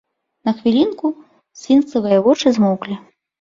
На хвілінку сфінксавыя вочы змоўклі.